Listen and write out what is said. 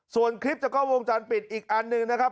ส่วนคลิปจากกล้องวงจรปิดอีกอันหนึ่งนะครับ